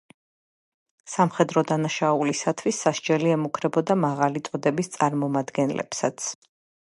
სამხედრო დანაშაულისათვის სასჯელი ემუქრებოდა მაღალი წოდების წარმომადგენლებსაც.